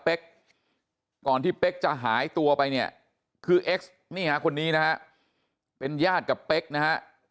ก่อนที่เป๊กจะหายตัวไปเนี่ยคือเอ็กซ์นี่ฮะคนนี้นะฮะเป็นญาติกับเป๊กนะฮะ